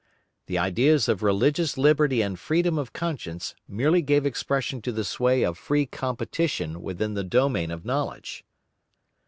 The ideas of religious liberty and freedom of conscience merely gave expression to the sway of free competition within the domain of knowledge.